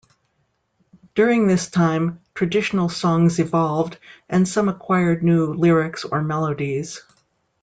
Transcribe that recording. During this time, traditional songs evolved, and some acquired new lyrics or melodies.